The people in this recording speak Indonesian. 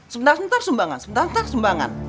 sebentar sebentar sumbangan sebentar ntar sumbangan